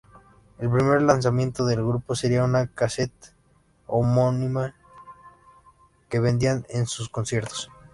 El primer lanzamiento del grupo sería una casete homónima que vendían en sus conciertos.